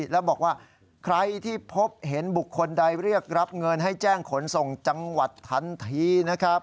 แล้วบอกว่าใครที่พบเห็นบุคคลใดเรียกรับเงินให้แจ้งขนส่งจังหวัดทันทีนะครับ